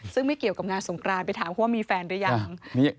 ซึ่งไม่เกี่ยวกับงานสงครานไปถามเขาว่ามีแฟนหรือยัง